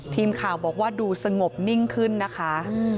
ทีมข่าวบอกว่าดูสงบนิ่งขึ้นนะคะ